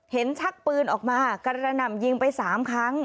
ชักปืนออกมากระหน่ำยิงไป๓ครั้ง